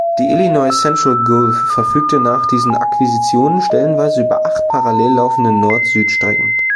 Die Illinois Central Gulf verfügte nach diesen Akquisitionen stellenweise über acht parallel laufende Nord-Süd-Strecken.